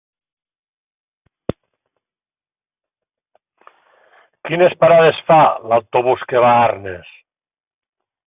Quines parades fa l'autobús que va a Arnes?